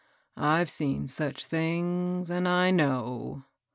I've seen such things, an' I know.